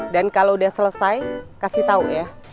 dan kalo udah selesai kasih tau ya